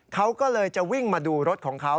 เขาก็เลยจะวิ่งมาดูรถของเขา